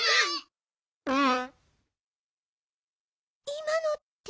いまのって。